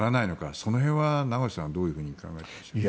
その辺は名越さんはどういうふうに考えていますか？